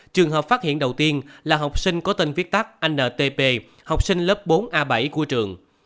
trường hợp phát hiện đầu tiên là học sinh có tên viết tắt ntp học sinh lớp bốn a bảy của trường